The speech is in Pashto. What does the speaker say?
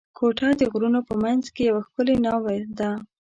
کوټه د غرونو په منځ کښي یوه ښکلې ناوه ده.